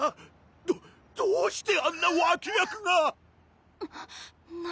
どどうしてあんな脇役が⁉な何？